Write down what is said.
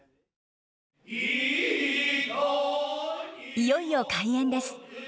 いよいよ開演です。